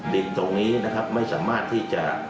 ดินตรงนี้ไม่สามารถที่จะ